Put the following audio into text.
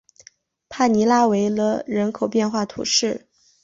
帕尼拉维勒人口变化图示